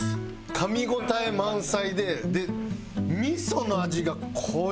かみ応え満載で味噌の味が濃ゆい！